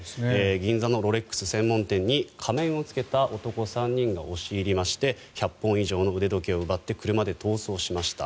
銀座のロレックス専門店に仮面をつけた男３人が押し入りまして１００本以上の腕時計を奪って車で逃走しました。